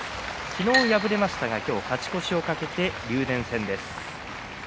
昨日、敗れましたが今日勝ち越しを懸けて竜電戦です。